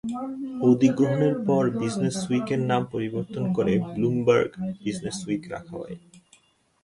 অধিগ্রহণের পর, "বিজনেসউইক" এর নাম পরিবর্তন করে "ব্লুমবার্গ বিজনেসউইক" রাখা হয়।